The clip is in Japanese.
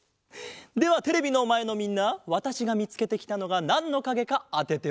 ではテレビのまえのみんなわたしがみつけてきたのがなんのかげかあてておくれ。